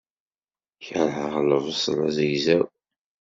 Kerheɣ lebṣel azegzaw.